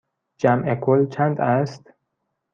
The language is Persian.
جمع کل چند است؟